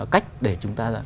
cách để chúng ta